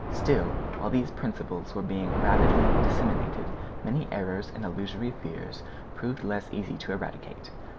Still, while these principles were being rapidly disseminated many errors and illusory fears proved less easy to eradicate.